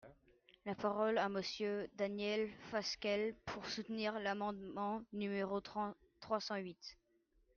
La parole est à Monsieur Daniel Fasquelle, pour soutenir l’amendement numéro trois cent huit.